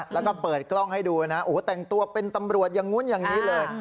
แล้วก็เปิดกล้องให้ดูนะโอ้โหแต่งตัวเป็นตำรวจอย่างนู้นอย่างนี้เลย